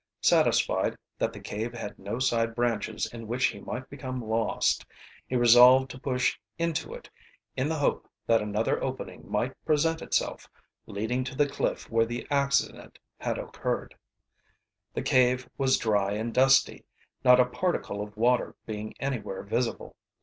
Satisfied that the cave had no side branches in which he might become lost, he resolved to push into it, in the hope that another opening might present itself, leading to the cliff where the accident had occurred. The cave was dry and dusty, not a particle of water being anywhere visible.